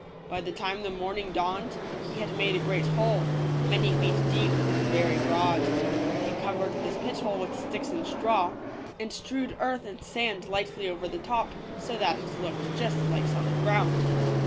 By the time the morning dawned, he had made a great hole, many feet deep, and very broad. He covered this pit hole with sticks and straw, and strewed earth and sand lightly over the top, so that it looked just like solid ground.